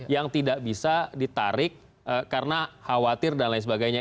yang tidak bisa ditarik karena khawatir dan lain sebagainya